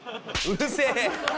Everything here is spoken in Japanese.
「うるせい！！」。